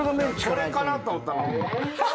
これかなと思ったら。